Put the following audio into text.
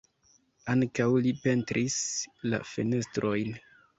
Ankaŭ li pentris la fenestrojn.